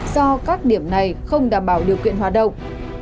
do các điểm này không đảm bảo điều kiện hoạt động